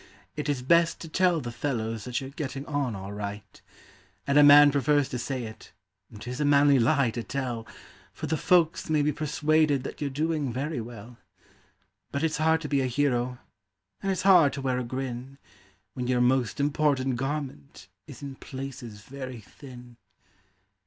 It is best to tell the fellows that you're getting on all right. And a man prefers to say it 'tis a manly lie to tell, For the folks may be persuaded that you're doing very well ; But it's hard to be a hero, and it's hard to wear a grin, When your most important garment is in places very thin.